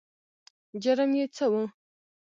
جرم یې څه و؟